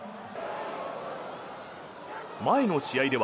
前の試合では。